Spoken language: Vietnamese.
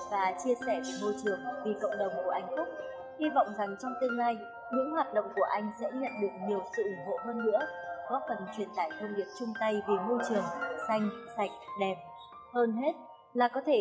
hãy đăng ký kênh để ủng hộ kênh của mình nhé